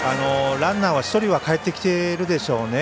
ランナーは１人はかえってきてるでしょうね。